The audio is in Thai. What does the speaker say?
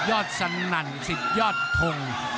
ยอดสนั่นสิบยอดทง